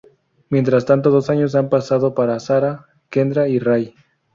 Mientras tanto, dos años han pasado para Sara, Kendra y Ray.